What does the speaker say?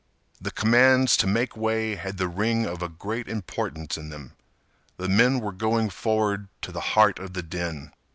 The commands to make way had the ring of a great importance in them. The men were going forward to the heart of the din.